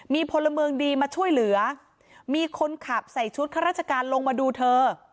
มีพลเมืองดีมาช่วยเหลือมีคนขับใส่ชุดข้าราชการลงมาดูเธอ